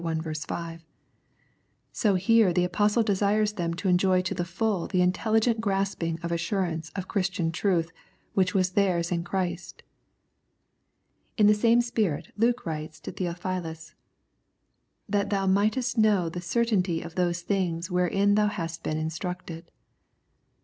5), so here the Apostle desires them to enjoy to the full the intelligent grasping of assurance of Christian truth which was theirs in Christ. In the same spirit Luke writes to Theo philus :" That thou mightest know the certainty of those things wherein thou hast been instructed."